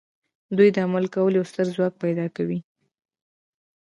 دوی د عمل کولو یو ستر ځواک پیدا کوي